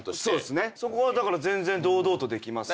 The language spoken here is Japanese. そこは全然堂々とできますね。